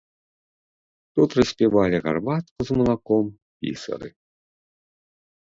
Тут распівалі гарбатку з малаком пісары.